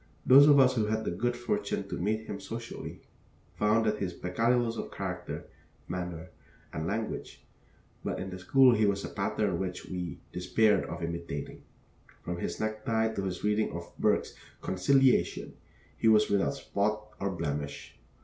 Those of us who had the good fortune to meet him socially, found that he had his peccadillos of character, manner, and language, but in the school he was a pattern which we despaired of imitating. From his necktie to his reading of Burke's 'Conciliation,' he was without spot or blemish.